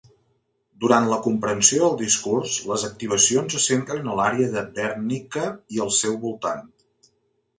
Durant la comprensió del discurs, les activacions se centren a l'àrea de Wernicke i al seu voltant.